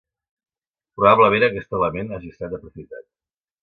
Probablement aquest element hagi estat aprofitat.